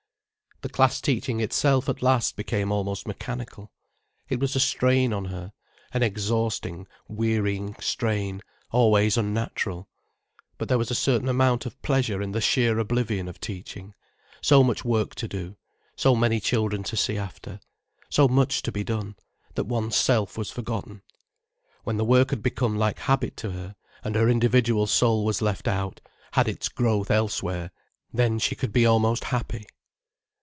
The class teaching itself at last became almost mechanical. It was a strain on her, an exhausting wearying strain, always unnatural. But there was a certain amount of pleasure in the sheer oblivion of teaching, so much work to do, so many children to see after, so much to be done, that one's self was forgotten. When the work had become like habit to her, and her individual soul was left out, had its growth elsewhere, then she could be almost happy.